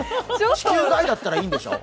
地球外だったいいんでしょう？